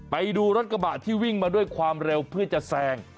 ไปดูรถกระบะที่วิ่งมาด้วยความเร็วเพื่อจะแซง